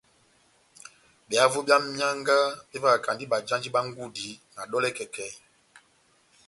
Behavo bia mianga bevahakandi bajandi bá ngudi na dolè kèkèi.